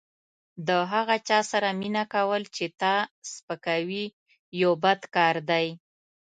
د هغه چا سره مینه کول چې تا سپکوي یو بد کار دی.